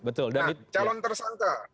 nah calon tersangka